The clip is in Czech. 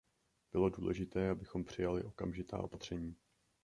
Bylo důležité, abychom přijali okamžitá opatření.